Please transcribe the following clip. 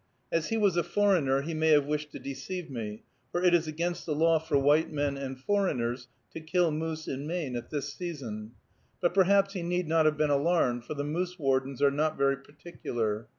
As he was a foreigner, he may have wished to deceive me, for it is against the law for white men and foreigners to kill moose in Maine at this season. But perhaps he need not have been alarmed, for the moose wardens are not very particular.